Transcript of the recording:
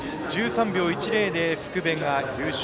１３秒１０で福部が優勝。